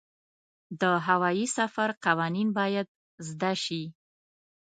د هوايي سفر قوانین باید زده شي.